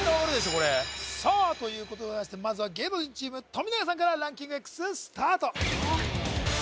これさあということでございましてまずは芸能人チーム富永さんからランキングＸスタート